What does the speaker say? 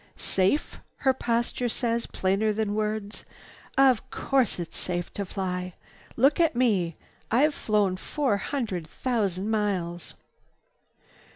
"Safe?" her posture says plainer than words. "Of course it's safe to fly. Look at me, I've flown four hundred thousand miles."